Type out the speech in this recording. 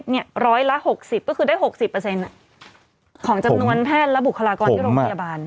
ร้อยละ๖๐ก็คือได้๖๐ของจำนวนแพทย์และบุคลากรที่โรงพยาบาล